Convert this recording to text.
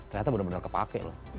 ternyata benar benar kepake loh